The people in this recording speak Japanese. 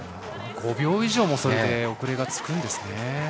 ５秒以上もそれで遅れがつくんですね。